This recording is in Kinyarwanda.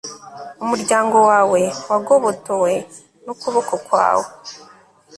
umuryango wawe wagobotowe n'ukuboko kwawe